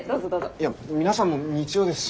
いや皆さんも日曜ですし。